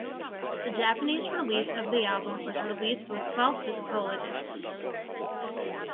The Japanese release of the album was released with twelve physical editions.